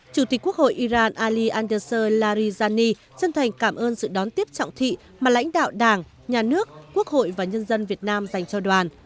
chủ tịch quốc hội iran ali andeser larijani chân thành cảm ơn sự đón tiếp trọng thị mà lãnh đạo đảng nhà nước quốc hội và nhân dân việt nam dành cho đoàn